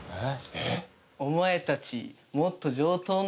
えっ⁉